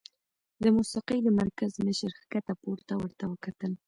د موسيقۍ د مرکز مشر ښکته پورته ورته وکتل